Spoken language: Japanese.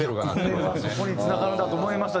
これはそこに繋がるんだと思いました。